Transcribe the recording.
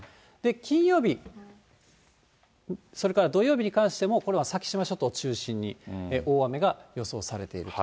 金曜日、それから土曜日に関しても、先島諸島を中心に大雨が予想されていると。